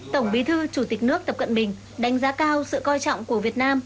tổng bí thư chủ tịch nước tập cận bình đánh giá cao sự coi trọng của việt nam